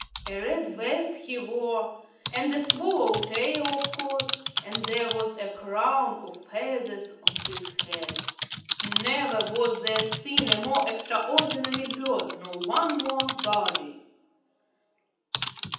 A red vest he wore, and a swallow tail, of course, and there was a crown of feathers on his head. Never was there seen a more extraordinary bird nor one more gaudy.